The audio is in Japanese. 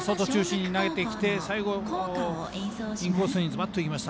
外中心に投げてきて最後、インコースにズバッといきました。